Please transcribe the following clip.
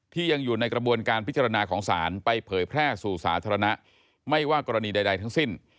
ยังอยู่ในกระบวนการพิจารณาของศาลไปเผยแพร่สู่สาธารณะไม่ว่ากรณีใดทั้งสิ้น